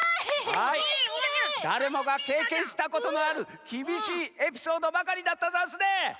はいだれもがけいけんしたことのあるきびしいエピソードばかりだったざんすね。